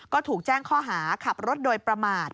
ก็ถูกแจ้งข้อหาขับรถโดยประมาท